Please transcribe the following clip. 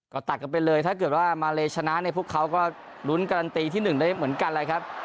ก็ตัดกันไปเลยถ้าเกิดว่ามาเลชนะเนี่ยพวกเขาก็ลุ้นการันตีที่๑ได้เหมือนกันแหละครับ